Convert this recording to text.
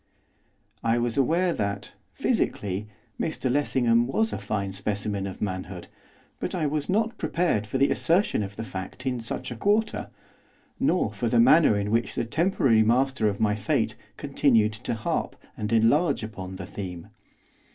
I was aware that, physically, Mr Lessingham was a fine specimen of manhood, but I was not prepared for the assertion of the fact in such a quarter, nor for the manner in which the temporary master of my fate continued to harp and enlarge upon the theme.